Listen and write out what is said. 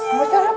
sama ustaz jarum